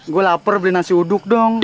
gue lapar beli nasi uduk dong